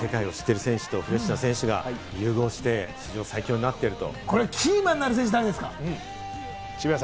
世界を知ってる選手とフレッシュな選手が融合して、世界最強になっていると。